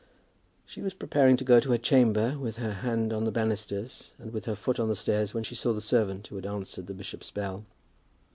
She was preparing to go up to her chamber, with her hand on the banisters and with her foot on the stairs, when she saw the servant who had answered the bishop's bell.